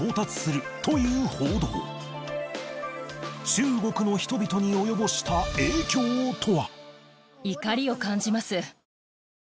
中国の人々に及ぼした影響とは？